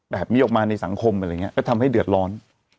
แบบนี้ออกมาในสังคมอะไรอย่างนี้แล้วทำให้เดือดร้อน